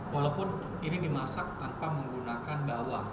walaupun ini dimasak tanpa menggunakan bawang